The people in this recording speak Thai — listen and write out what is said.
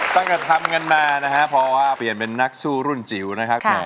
ตั้งแต่ทำเงินมานะครับพอเปลี่ยนเป็นนักสู้รุ่นจิ๋วนะครับ